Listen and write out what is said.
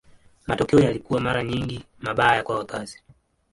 Matokeo yalikuwa mara nyingi mabaya kwa wakazi.